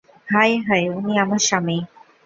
High - hi উনি আমার স্বামী।